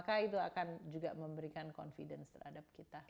maka itu akan juga memberikan confidence terhadap kita